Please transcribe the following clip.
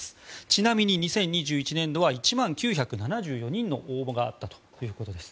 ちなみに２０２１年度は１万９７４人の応募があったということです。